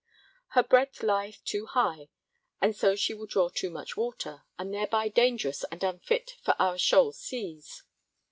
Her breadth lieth too high, and so she will draw too much water, and thereby dangerous and unfit for our shoal seas.